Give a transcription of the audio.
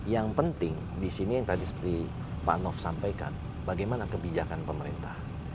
yang penting di sini yang tadi seperti pak nof sampaikan bagaimana kebijakan pemerintah